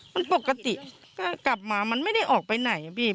มันปกติก็กลับมามันไม่ได้ออกไปไหนพี่